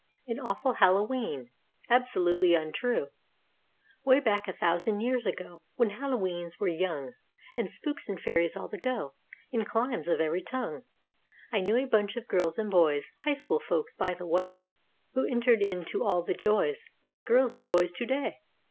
AN AWFUL HALLOWE'EN (absolutely untrue) Way back a thousand years ago When Hallowe'ens were young And spooks and fairies all the go In climes of every tongue— I knew a bunch of girls and boys (High School folks by the way) 72 Who entered in to all the joys Like girls and boys today.